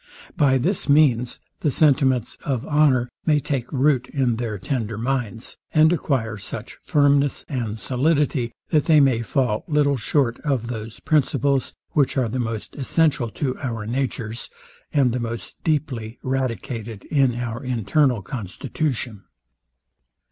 By this means the sentiments of honour may take root in their tender minds, and acquire such firmness and solidity, that they may fall little short of those principles, which are the most essential to our natures, and the most deeply radicated in our internal constitution.